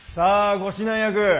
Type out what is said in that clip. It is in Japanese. ご指南役！